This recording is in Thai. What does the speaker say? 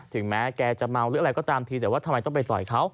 ถึงแม้แกจะเมาหรืออะไรก็ตามทีแต่ว่าทำไมต้องไปต่อยเขา